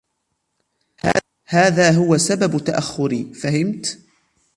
" هذا هو سبب تأخري "" فهمت "